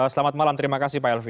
selamat malam terima kasih pak elvi